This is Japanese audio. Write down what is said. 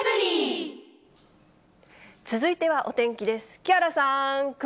続いてはお天気です。